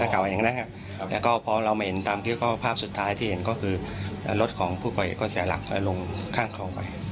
แล้วก็พอเรามาเห็นตามคลิปก็ภาพสุดท้ายที่เห็นก็คือรถของผู้ก่อเหตุก็เสียหลักลงข้างคลองไป